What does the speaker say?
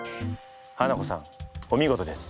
ハナコさんお見事です。